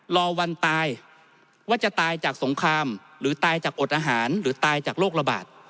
รอวันตายว่าจะตายจากสงครามหรือตายจากอดอาหารหรือตายจากโรคระบาด